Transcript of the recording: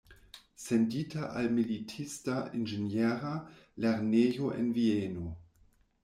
Sendita al militista inĝeniera lernejo en Vieno.